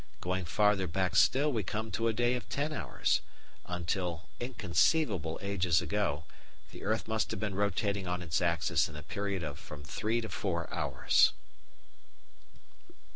Going farther back still we come to a day of ten hours, until, inconceivable ages ago, the earth must have been rotating on its axis in a period of from three to four hours.